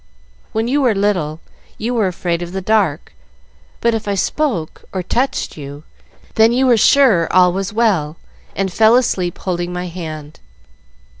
When you were little, you were afraid of the dark, but if I spoke or touched you, then you were sure all was well, and fell asleep holding my hand.